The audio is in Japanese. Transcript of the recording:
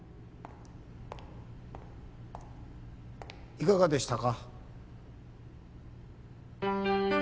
いかがでしたか？